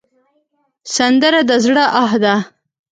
سندره د زړه آه ده